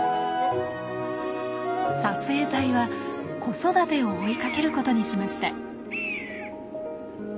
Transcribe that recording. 撮影隊は子育てを追いかけることにしました。